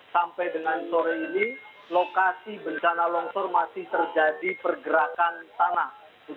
sampai dengan sore ini lokasi bencana longsor masih terjadi pergerakan tanah